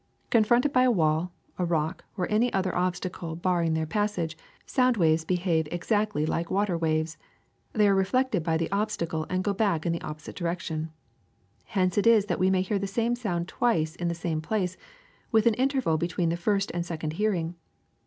*^ Confronted by a wall, a rock, or any other ob stacle barring their passage, sound waves behave ex actly like water waves : they are reflected by the ob stacle and go back in the opposite direction. Hence it is that we may hear the same sound twice in the same place, with an interval between the first and second hearing.